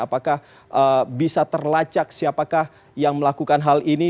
apakah bisa terlacak siapakah yang melakukan hal ini